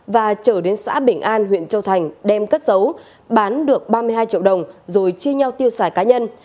và trở đến xã bình an huyện châu thành đem cất giấu bán được ba mươi hai triệu đồng rồi chia nhau tiêu xài cá nhân